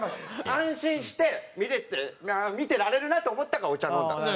安心して見れて見ていられるなと思ったからお茶を飲んだんです。